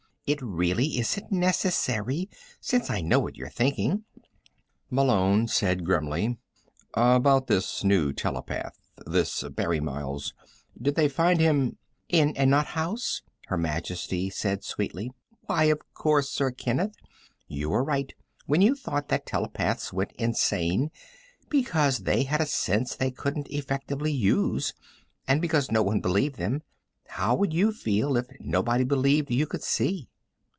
It really isn't necessary, since I know what you're thinking." Malone said grimly: "About this new telepath ... this Barry Miles. Did they find him " "In a nut house?" Her Majesty said sweetly. "Why, of course, Sir Kenneth. You were quite right when you thought that telepaths went insane because they had a sense they couldn't effectively use, and because no one believed them. How would you feel, if nobody believed you could see?"